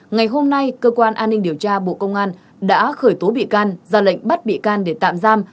ngày hôm nay cơ quan an ninh điều tra bộ công an đã khởi tố bị can ra lệnh bắt bị can để tạm giam